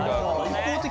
一方的。